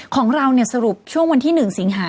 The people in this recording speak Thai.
ของเราสรุปช่วงวันที่๑สิงหา